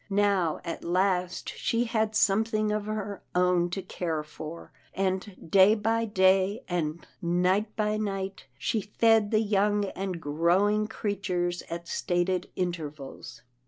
Now at last she had something of her own to care for, and day by day, and night by night, she fed the young and growing creatures at stated intervals.